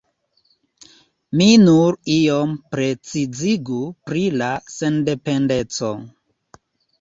Mi nur iom precizigu pri la sendependeco.